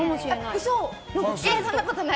そんなことない。